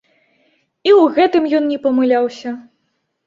І ў гэтым ён не памыляўся.